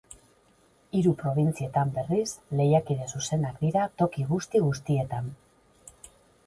Hiru probintzietan, berriz, lehiakide zuzenak dira toki guzti-guztietan.